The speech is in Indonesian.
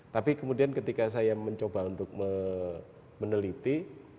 tapi kemudian ketika saya mencoba untuk meneliti